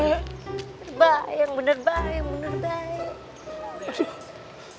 bener baik bener baik bener baik